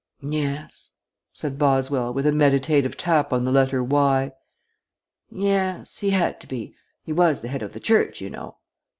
"Yes," said Boswell, with a meditative tap on the letter Y. "Yes he had to be. He was the head of the Church, you know."